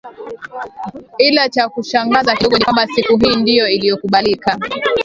Ila chakushangaza kidogo ni kwamba siku hii ndio iliyokubalika